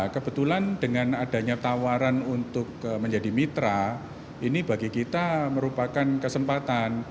kebetulan dengan adanya tawaran untuk menjadi mitra ini bagi kita merupakan kesempatan